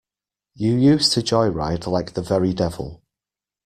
You used to joyride like the very devil.